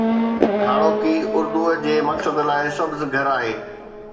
هاڻوڪي اردوءَ جي مقصد لاءِ سبز گهر آهي